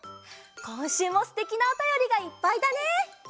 こんしゅうもすてきなおたよりがいっぱいだね！